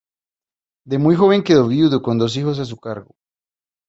De muy joven quedó viudo, con dos hijos a su cargo.